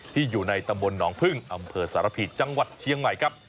อยู่ในตำบลหนองพึ่งอำเภอสารพีจังหวัดเชียงใหม่ครับ